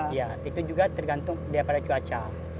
iya itu juga tergantung daripada cuaca